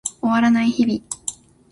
終わらない日々